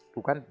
bukan di sapi